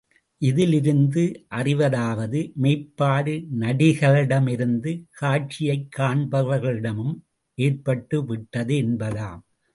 இதிலிருந்து அறிவதாவது மெய்ப்பாடு நடிகர்களிடமிருந்து காட்சியைக் காண்பவர்களிடமும் ஏற்பட்டுவிட்டது என்பதாம்.